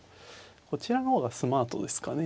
こちらの方がスマートですかね